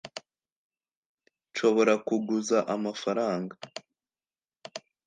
nshobora kuguza amafaranga